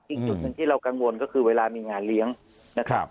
อีกจุดหนึ่งที่เรากังวลก็คือเวลามีงานเลี้ยงนะครับ